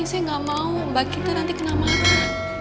saya gak mau nonkinta nanti kena marah